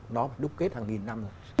nó đúc kết hàng nghìn năm rồi